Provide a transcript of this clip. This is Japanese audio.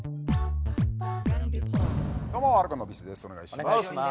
お願いします。